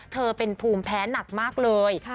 เธอเป็นภูมิแพ้หนักมากเลย